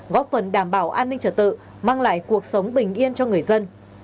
góp phần đảm bảo an ninh trở tự mang lại cuộc sống bình yên cho người dân